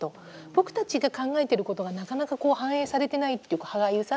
僕たちが考えていることがなかなか反映されてないっていう歯がゆさ。